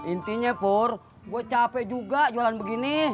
intinya pur gua capek juga jualan begini